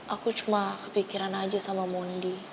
aku cuma kepikiran aja sama mondi